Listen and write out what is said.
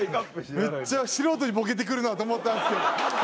めっちゃ素人にボケてくるなと思ったんすけど。